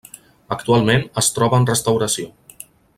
Actualment es troba en restauració.